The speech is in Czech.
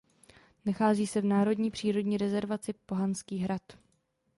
Nachází se v Národní přírodní rezervaci Pohanský hrad.